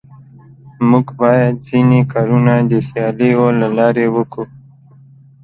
موږ بايد ځيني کارونه د سياليو له لاري وکو.